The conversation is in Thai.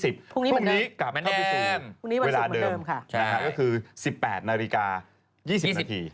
พรุ่งนี้เหมือนเดิมเวลาศุกร์เหมือนเดิมค่ะก็คือ๑๘นาฬิกา๒๐นาที